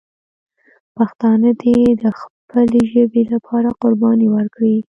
پښتانه دې د خپلې ژبې لپاره قرباني ورکړي.